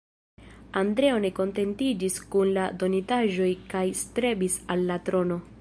Andreo ne kontentiĝis kun la donitaĵoj kaj strebis al la trono.